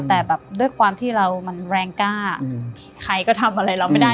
แต่แบบด้วยความที่เรามันแรงกล้าใครก็ทำอะไรเราไม่ได้